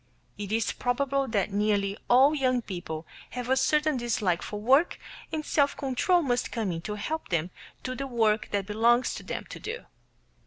It is probable that nearly all young people have a certain dislike for work, and self control must come in to help them do the work that belongs to them to do.